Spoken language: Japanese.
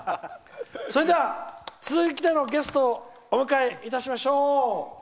では続いてのゲストをお迎えいたしましょう！